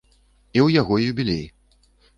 І ў яго юбілей.